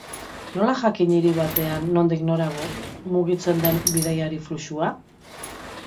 Nola jakin hiri batean nondik nora mugitzen den bidaiari-fluxua?